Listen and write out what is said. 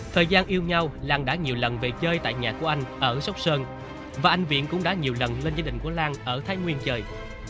thời gian yêu nhau lan đã nhiều lần về chơi tại nhà của anh ở sóc sơn và anh viện cũng đã nhiều lần lên gia đình của lan ở thái nguyên chơi